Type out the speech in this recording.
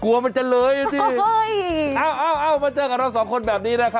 กลัวมันจะเหลืออยู่สิเอ้ามาเจอกับเราสองคนแบบนี้แหละค่ะ